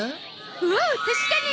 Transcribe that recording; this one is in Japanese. おお確かに！